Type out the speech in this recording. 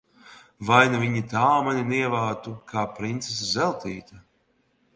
Vai nu viņa tā mani nievātu, kā princese Zeltīte!